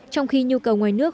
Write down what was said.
trong khi nhu cầu ngoài nước